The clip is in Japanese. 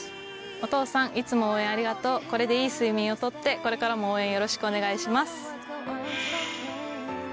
お父さんいつも応援ありがとうこれでいい睡眠を取ってこれからも応援よろしくお願いします。